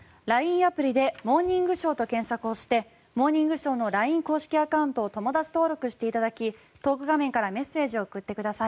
アプリで「モーニングショー」と検索をして「モーニングショー」のＬＩＮＥ公式アカウントを友だち登録していただきトーク画面からメッセージを送ってください。